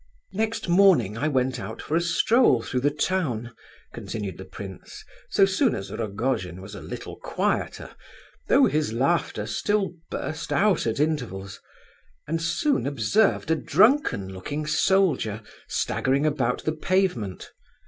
"Next morning I went out for a stroll through the town," continued the prince, so soon as Rogojin was a little quieter, though his laughter still burst out at intervals, "and soon observed a drunken looking soldier staggering about the pavement.